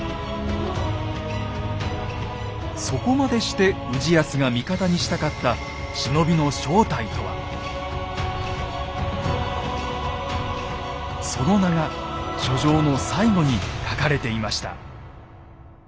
そこまでして氏康が味方にしたかったその名が書状の最後に書かれていました。